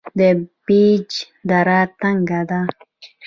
د پیج دره تنګه ده